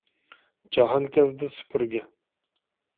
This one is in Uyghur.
جاھانكەزدى سۈپۈرگە